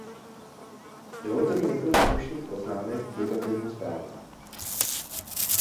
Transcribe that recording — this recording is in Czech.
Dovolte mi několik stručných poznámek k jednotlivým zprávám.